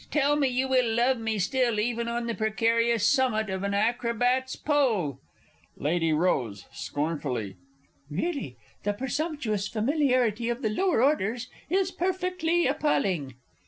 Tell me you will love me still even on the precarious summit of an acrobat's pole! Lady Rose (scornfully). Really the presumptuous familiarity of the lower orders is perfectly appalling!